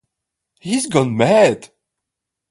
He’s gone mad!